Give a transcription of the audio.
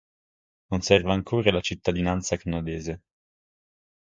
Conserva ancora la cittadinanza canadese.